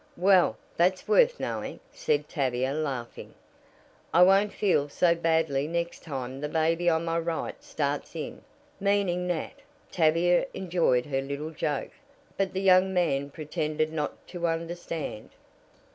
"Well, that's worth knowing," said Tavia, laughing. "I won't feel so badly next time the baby on my right starts in." Meaning Nat, Tavia enjoyed her little joke, but the young man pretended not to understand.